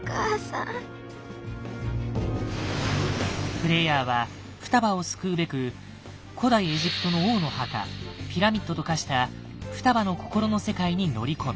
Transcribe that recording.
プレイヤーは双葉を救うべく古代エジプトの王の墓ピラミッドと化した双葉の心の世界に乗り込む。